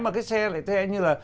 mà cái xe lại thế như là